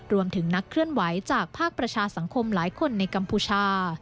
นักเคลื่อนไหวจากภาคประชาสังคมหลายคนในกัมพูชา